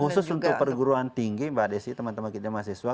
khusus untuk perguruan tinggi mbak desi teman teman kita mahasiswa